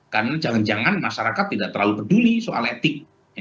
karena jangan jangan masyarakat tidak terlalu peduli soal etik